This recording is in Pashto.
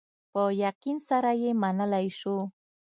په یقین سره یې منلای شو.